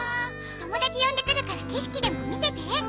友達呼んでくるから景色でも見てて。